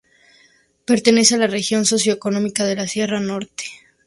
Pertenece a la región socioeconómica de la sierra norte.